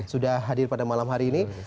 sudah hadir pada malam hari ini